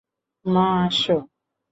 মা, আসো।